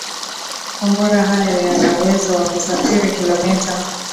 kombora hayo yanauwezo wa kusafiri kilomita